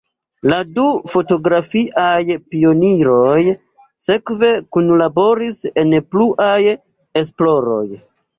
La du fotografiaj pioniroj sekve kunlaboris en pluaj esploroj.